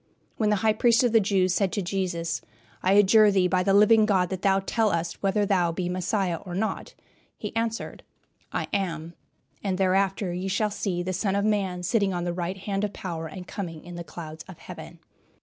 When the High Priest of the Jews said to Jesus, "I adjure thee by the living God that thou tell us whether thou be Messiah or not," he answered, "I am; and hereafter ye shall see the Son of man sitting on the right hand of power and coming in the clouds of heaven."